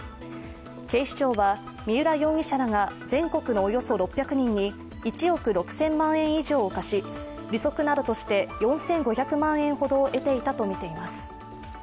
警視庁は三浦容疑者らが全国のおよそ６００人に１億６０００万円以上を貸し、利息などとして４５００万円ほどを得ていたとみています。